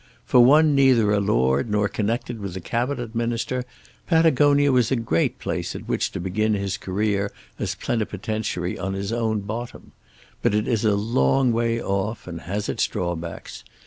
For one neither a lord nor connected with a Cabinet Minister Patagonia was a great place at which to begin his career as Plenipotentiary on his own bottom; but it is a long way off and has its drawbacks.